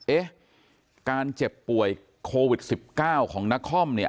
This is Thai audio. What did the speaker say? เอ๊ะการเจ็บป่วยโควิด๑๙ของนครเนี่ย